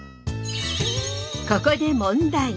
ここで問題！